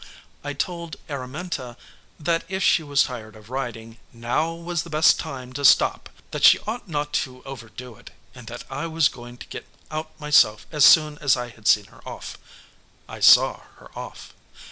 I told Araminta that if she was tired of riding, now was the best time to stop; that she ought not to overdo it, and that I was going to get out myself as soon as I had seen her off. I saw her off.